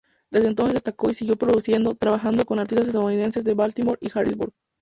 Desde entonces destacó y siguió produciendo, trabajando con artistas estadounidenses de Baltimore y Harrisburg.